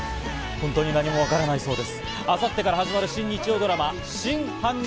本当に何もわからないそうです。